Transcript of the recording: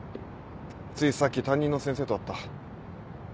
ついさっき担任の先生と会った。